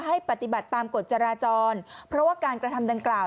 ให้ปฏิบัติตามกฎจราจรเพราะว่าการกระทำดังกล่าว